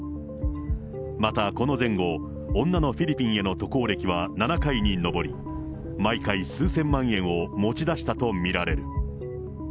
またこの前後、女のフィリピンへの渡航歴は７回に上り、毎回、数千万円を持ち出したと見られる。